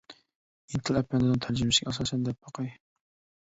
ئىنتىل ئەپەندىنىڭ تەرجىمىسىگە ئاساسەن دەپ باقاي.